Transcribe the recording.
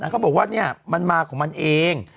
ก็บอกว่ามันมีอันภัยของมันเอง